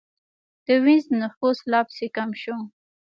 د وینز نفوس لا پسې کم شو.